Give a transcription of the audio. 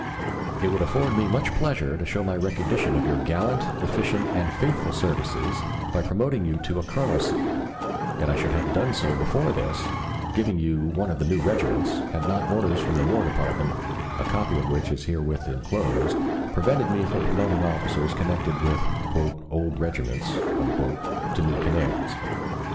"It would afford me much pleasure to show my recognition of your gallant, efficient, and faithful services, by promoting you to a colonelcy, and I should have done so before this, giving you one of the new regiments, had not orders from the War Department, a copy of which is herewith enclosed, prevented me from promoting officers connected with 'old regiments' to new commands.